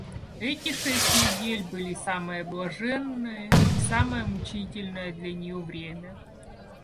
Эти шесть недель были самое блаженное и самое мучительное для нее время.